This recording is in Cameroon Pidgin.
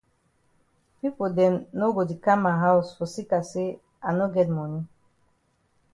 Pipo dem no go di kam for ma haus for seka say I no get moni.